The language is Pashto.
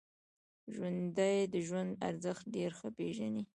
ژوندي د ژوند ارزښت ډېر ښه پېژني